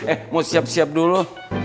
eh mau siap siap dulu